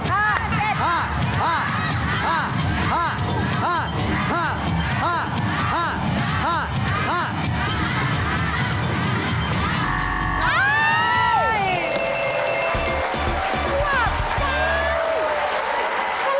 ออกฟาดเป็น